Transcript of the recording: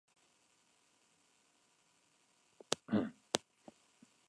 Sus icebergs llegan al mar.